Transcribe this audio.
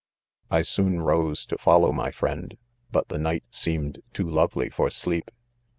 I soon rose to follow my friend, hut the night seemed too lovely for sleep.